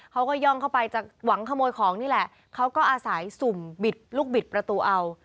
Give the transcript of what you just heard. เขาก็ย่องเข้าไปจะหวังขโมยของนี่แหละเขาก็อาศัยสุ่มบิดลูกบิดประตูเอา